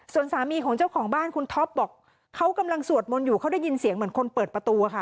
ส่วนสามีของเจ้าของบ้านคุณท็อปบอกเขากำลังสวดมนต์อยู่เขาได้ยินเสียงเหมือนคนเปิดประตูค่ะ